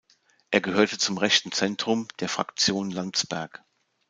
Er gehörte zum rechten Zentrum, der Fraktion Landsberg.